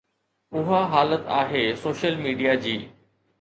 اها حالت آهي سوشل ميڊيا جي.